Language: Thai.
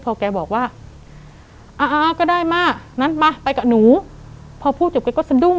พอแกบอกว่าอ่าก็ได้มางั้นมาไปกับหนูพอพูดจบแกก็สะดุ้ง